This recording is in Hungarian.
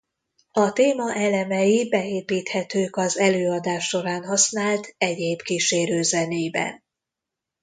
A téma elemei beépíthetők az előadás során használt egyéb kísérőzenében.